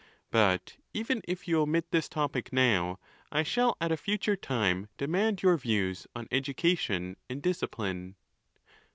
But even if you omit this topic now, I shall at a future time demand your views on education and discipline.